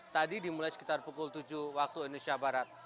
tadi dimulai sekitar pukul tujuh waktu indonesia barat